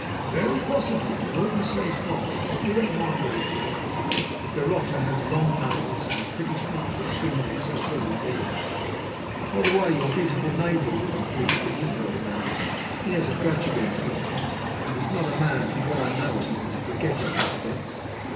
"Very possibly. Norton says not; but we don't mind what he says. The garrotter had long nails, and was pretty smart at swinging himself over walls. By the way, your beautiful neighbour would be pleased if he heard about it. He had a grudge against Norton, and he's not a man, from what I know of him, to forget his little debts.